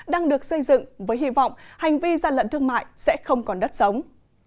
đang được xây dựng với hy vọng hành vi gian lận thương mại sẽ không còn đất sống